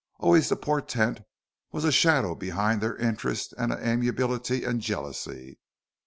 Always the portent was a shadow behind their interest and amiability and jealousy.